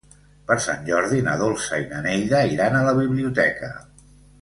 Per Sant Jordi na Dolça i na Neida iran a la biblioteca.